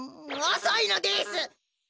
おそいのです！